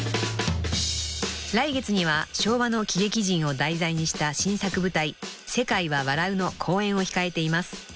［来月には昭和の喜劇人を題材にした新作舞台『世界は笑う』の公演を控えています］